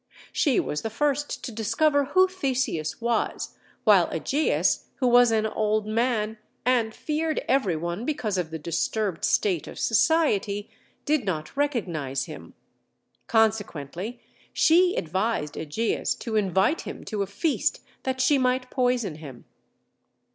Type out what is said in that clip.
She was the first to discover who Theseus was, while Ægeus, who was an old man, and feared every one because of the disturbed state of society, did not recognize him. Consequently she advised Ægeus to invite him to a feast, that she might poison him.